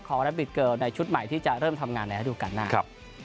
ขอรับบิ๊กเกิร์ลในชุดใหม่ที่จะเริ่มทำงานแล้วดูกันหน้า